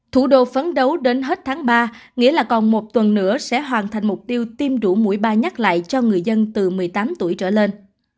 thủ đô phấn đấu đến hết tháng ba nghĩa là còn một tuần nữa sẽ hoàn thành mục tiêu tiêm đủ mũi ba nhắc lại cho người dân từ một mươi tám tuổi trở lên